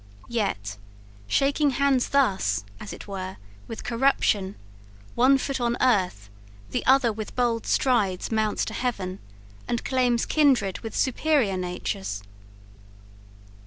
Yet, shaking hands thus, as it were, with corruption, one foot on earth, the other with bold strides mounts to heaven, and claims kindred with superiour natures.